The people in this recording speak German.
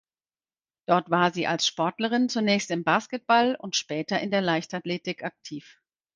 Dort war sie als Sportlerin zunächst im Basketball und später in der Leichtathletik aktiv.